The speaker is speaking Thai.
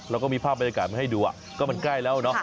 เราก็มีภาพไล่อากาศให้ดูอ่ะก็มันใกล้แล้วเนาะ